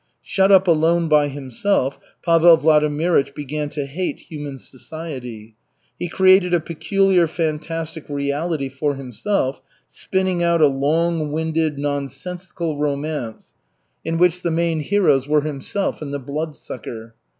Shut up alone by himself, Pavel Vladimirych began to hate human society. He created a peculiar fantastic reality for himself, spinning out a long winded nonsensical romance, in which the main heroes were himself and the Bloodsucker.